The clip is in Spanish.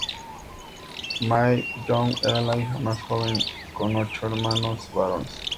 Mae Young era la hija más joven con ocho hermanos varones.